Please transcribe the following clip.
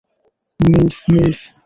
MILF, MILF.